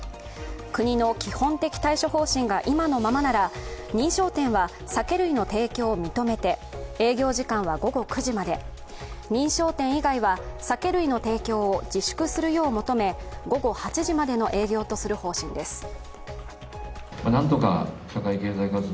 国の基本的対処方針が今のままなら認証店は酒類の提供を認めて営業時間は午後９時まで、認証店以外は酒類の提供を自粛するよう求め、午後８時までの営業とする方針です